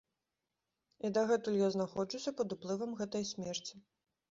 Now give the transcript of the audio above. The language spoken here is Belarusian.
І дагэтуль я знаходжуся пад уплывам гэтай смерці.